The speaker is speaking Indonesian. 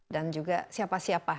dan juga siapa siapa